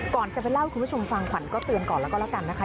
ก่อนจะไปเล่าให้คุณผู้ชมฟังขวัญก็เตือนก่อนแล้วก็แล้วกันนะคะ